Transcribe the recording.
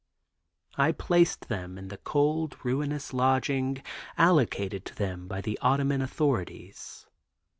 I placed them in the cold, ruinous lodging allocated to them by the Ottoman authorities.